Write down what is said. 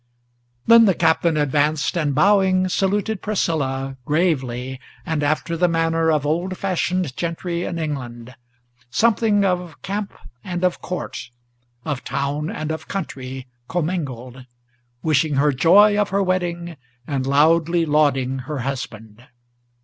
Then the Captain advanced, and, bowing, saluted Priscilla, Gravely, and after the manner of old fashioned gentry in England, Something of camp and of court, of town and of country, commingled, Wishing her joy of her wedding, and loudly lauding her husband.